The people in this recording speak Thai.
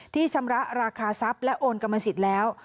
ชำระราคาทรัพย์และโอนกรรมสิทธิ์แล้ว